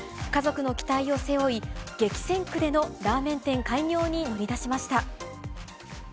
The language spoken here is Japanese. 家族の期待を背負い、激戦区でのラーメン店開業に乗り出しました。